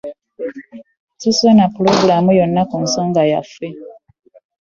Ssisuze na pulogulaamu yonna ku nsonga yaffe.